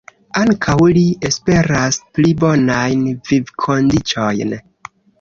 Ankaŭ li esperas pli bonajn vivkondiĉojn.